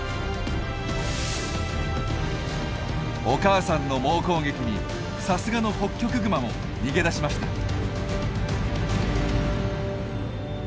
お母さんの猛攻撃にさすがのホッキョクグマも逃げ出しました。